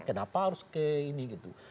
kenapa harus ke ini gitu